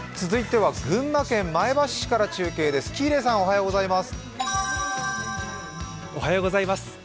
続いては群馬県前橋市から中継です。